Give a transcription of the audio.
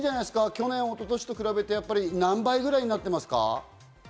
去年・一昨年と比べて何倍くらいになっていますか？